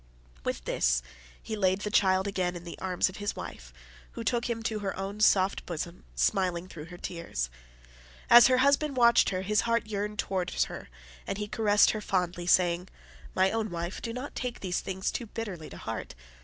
With this he laid the child again in the arms of his wife, who took him to her own soft bosom, smiling through her tears. As her husband watched her his heart yearned towards her and he caressed her fondly, saying, "My own wife, do not take these things too bitterly to heart.